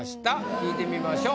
聞いてみましょう。